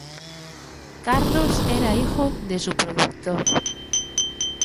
Carlos era hijo de su productor.